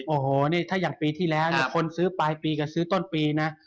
โอ้โหนี่ถ้าอย่างปีที่แล้วเนี่ยคนซื้อปลายปีกับซื้อต้นปีนะ